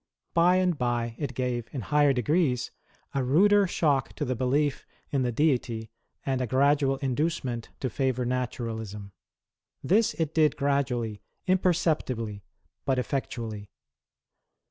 By and by, it gave, in higher degrees, a ruder shock to the belief in the Deity and a gradual 32 WAR OF ANTICHRIST WITH THE CHURCH. inducement to favour Naturalism. This it did gradually, imper ceptibly, but effectually.